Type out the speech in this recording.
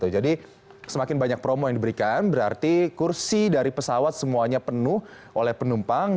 semakin banyak promo yang diberikan berarti kursi dari pesawat semuanya penuh oleh penumpang